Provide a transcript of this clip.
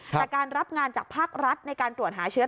แต่การรับงานจากภาครัฐในการตรวจหาเชื้อ